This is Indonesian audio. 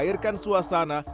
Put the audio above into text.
mereka akan menangkap